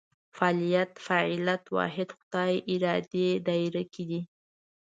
فعالیت فاعلیت واحد خدای ارادې دایره کې دي.